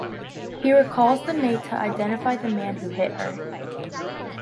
He recalls the maid to identify the man who hit her.